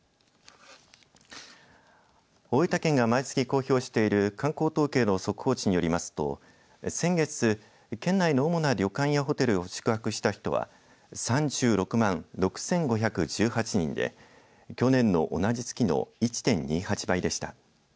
大分県が毎月公表している観光統計の速報値によりますと先月県内の主な旅館やホテルに宿泊した人は３６万６５１８人で去年の同じ月の１．２８倍でした。